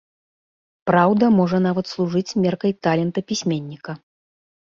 Праўда можа нават служыць меркай талента пісьменніка.